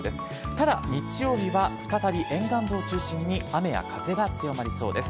ただ、日曜日は再び沿岸部を中心に雨や風が強まりそうです。